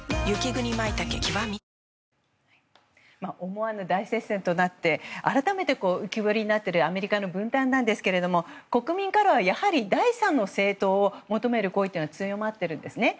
思わぬ大接戦となって改めて浮き彫りになっているアメリカの分断なんですけども国民からはやはり第３の政党を求める声というのが強まっているんですね。